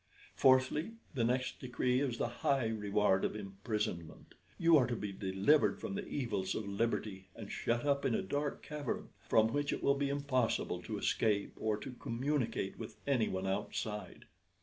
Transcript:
"Fourthly, the next decree is the high reward of imprisonment. You are to be delivered from the evils of liberty, and shut up in a dark cavern, from which it will be impossible to escape or to communicate with anyone outside.